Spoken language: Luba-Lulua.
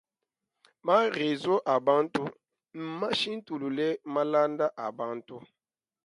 Ma rezo a bantu mmashintulule malanda a bantu.